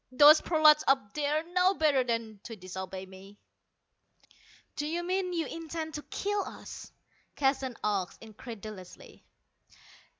Those prolats up there know better than to disobey me." "Do you mean you intend to kill us?" Keston asked incredulously.